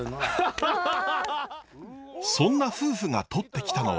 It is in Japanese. そんな夫婦がとってきたのは。